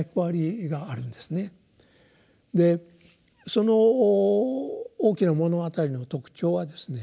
その「大きな物語」の特徴はですね